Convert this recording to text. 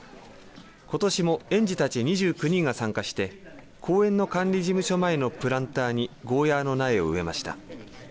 ことしも、園児たち２９人が参加して公園の管理事務所前のプランターにゴーヤーの苗を植えました。